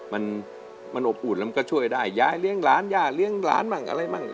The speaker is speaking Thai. มันมันอบอุ่นแล้วมันก็ช่วยได้ยายเลี้ยงหลานย่าเลี้ยงหลานมั่งอะไรมั่ง